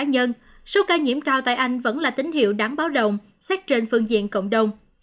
tuy nhiên số ca nhiễm cao tại anh vẫn là tín hiệu đáng báo đồng xét trên phương diện cộng đồng